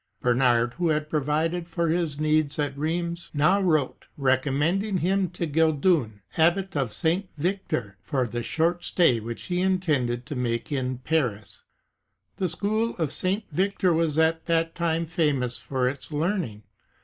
^ Bernard, who had provided for his needs at Rheims, now wrote recommending him to Gilduin, Abbot of St. Victor, for the short stay which he intended to make in Paris.* The school of St. Victor was at that time famous for its learning.